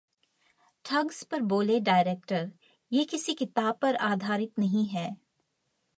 thugs पर बोले director, 'ये किसी किताब पर आधारित नहीं है'